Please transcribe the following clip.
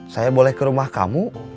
saya boleh ke rumah kamu